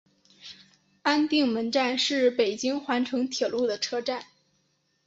安定门站是北京环城铁路的车站。